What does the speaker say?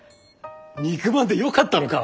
肉まんでよかったのか。